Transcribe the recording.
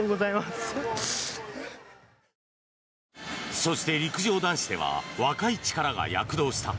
そして、陸上男子では若い力が躍動した。